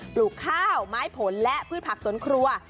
ปลูกข้าวไม้ผลและพืชผักสวนครัว